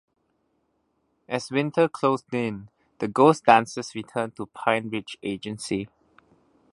As winter closed in, the ghost dancers returned to Pine Ridge Agency.